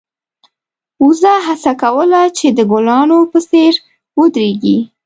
وزه هڅه کوله چې د ګلانو په څېر ودرېږي.